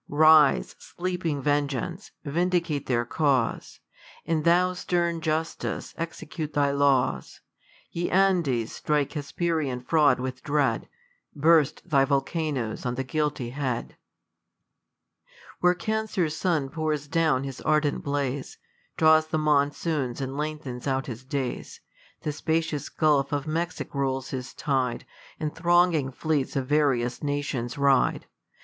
Rise, sleeping vengeance ! vindicate their cause ; And thou, stern justice, execute thy law\s : Ye Afldes, strike Hesperian fraud with dread, Burst thy volcanoes on tlie guilty head ! Where Cancer's sun pours down his ardent blaz^>. Drawls the Monsoons, and Icngliiens out his days. The spacious gulf of Mcxic' rolFs his tide, And thronging fleets of various nations ride.